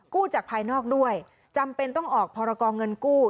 จากภายนอกด้วยจำเป็นต้องออกพรกรเงินกู้